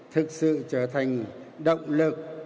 thực sự trở thành động lực